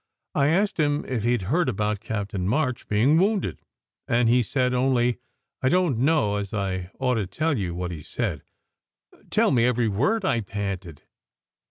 I asked him if he d heard about Captain March being wounded. And he said only I don t know as I ought to tell you what he said " "Tell me every word," I panted.